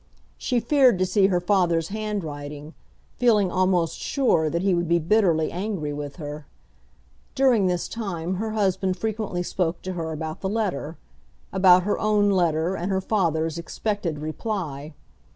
She feared to see her father's handwriting, feeling almost sure that he would be bitterly angry with her. During this time her husband frequently spoke to her about the letter, about her own letter and her father's expected reply.